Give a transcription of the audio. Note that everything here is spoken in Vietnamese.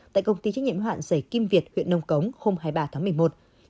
tại công ty trách nhiệm hoạn giải kim việt huyện nông cống hôm hai mươi ba tháng một mươi một